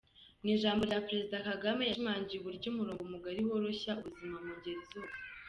Mu ijambo rye Perezida Kagame yashimangiye uburyo umurongo mugari woroshya ubuzima mu ngeri zose.